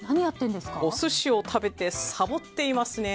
お寿司を食べてさぼっていますね。